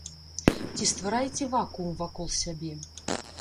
Ці ствараеце вакуум вакол сябе?